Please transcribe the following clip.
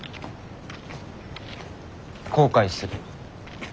後悔するよ。